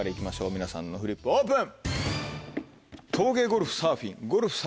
皆さんのフリップオープン。